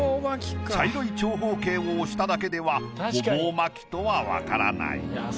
茶色い長方形を押しただけでは「ごぼう巻き」とは分からない。